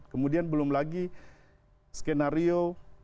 kemudian belum lagi skenario